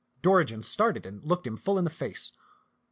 Dorigen started and looked him full in the face.